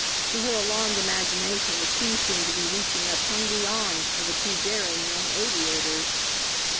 To her alarmed imagination the sea seemed to be reaching up hungry arms for the two daring young aviators.